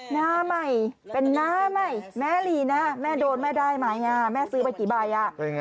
หน้าใหม่เป็นน้าใหม่แม่ลีนะแม่โดนแม่ได้ไหมแม่ซื้อไปกี่ใบอ่ะ